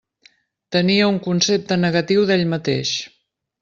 Tenia un concepte negatiu d'ell mateix.